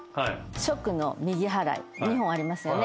「食」の右払い２本ありますよね。